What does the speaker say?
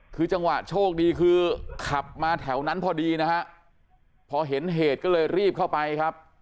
คือจังหวะโชคดีคือขับมาแถวนั้นพอดีนะฮะพอเห็นเหตุก็เลยรีบเข้าไปครับ